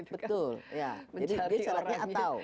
betul jadi syaratnya atau